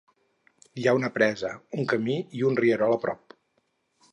Hi ha una presa, un camí i un rierol a prop.